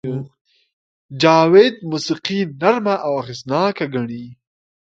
جاوید موسیقي نرمه او اغېزناکه ګڼي